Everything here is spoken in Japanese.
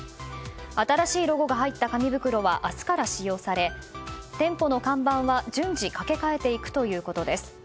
新しいロゴが入った紙袋は明日から使用され店舗の看板は順次かけ変えていくということです。